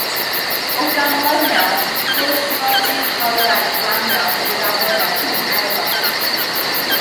O ganlyniad, gwrthodir hawliau glanio i'r awyren yn Ewrop.